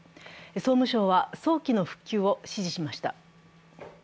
総務省は、早期の復旧を指示しました。